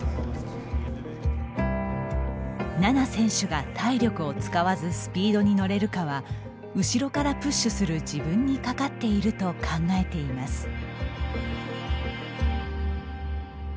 菜那選手が体力を使わずスピードに乗れるかは後ろからプッシュする自分にかかっていると考えています。